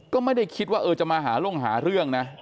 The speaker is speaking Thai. ก็ไม่ได้คิดว่าเออจะมาหาลงหาเรื่องนะ